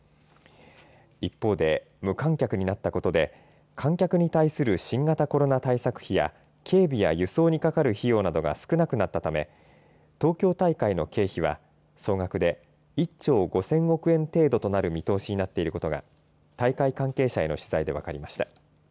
一方で無観客になったことで観客に対する新型コロナ対策費や警備や輸送にかかる費用などが少なくなったため東京大会の経費は総額で１兆５０００億円程度となる見通しになっていることが大会関係者への取材で分かりました。